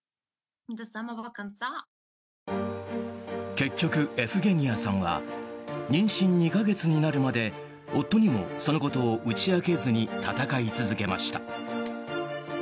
結局、エフゲニアさんは妊娠２か月になるまで夫にもそのことを打ち明けずに戦い続けました。